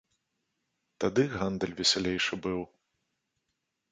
Тады гандаль весялейшы быў.